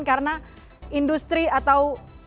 karena industri atau